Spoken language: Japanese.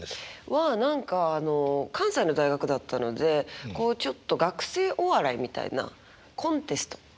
は何かあの関西の大学だったのでこうちょっと学生お笑いみたいなコンテスト。